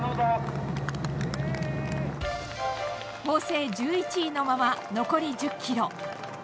法政１１位のまま残り１０ｋｍ。